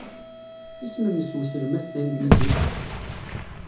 Isem-nnes weslem-a s tanglizit?